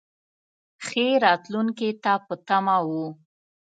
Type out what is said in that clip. ښې راتلونکې ته په تمه و.